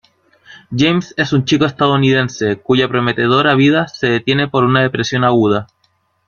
James es un chico estadounidense cuya prometedora vida se detiene por una depresión aguda.